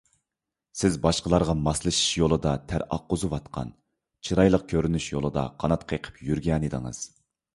سىز باشقىلارغا ماسلىشىش يولىدا تەر ئاققۇزۇۋاتقان، چىرايلىق كۆرۈنۈش يولىدا قانات قېقىپ يۈرگەنىدىڭىز.